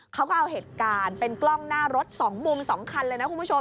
เขาก็เอาเหตุการณ์เป็นกล้องหน้ารถ๒มุม๒คันเลยนะคุณผู้ชม